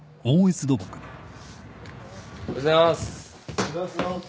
おはようございます。